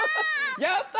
やった！